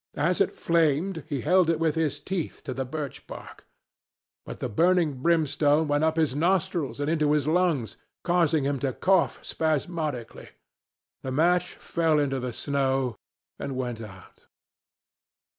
As it flamed he held it with his teeth to the birch bark. But the burning brimstone went up his nostrils and into his lungs, causing him to cough spasmodically. The match fell into the snow and went out.